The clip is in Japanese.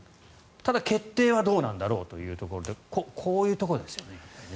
ただ、決定はどうなんだろうというところでこういうところですよね。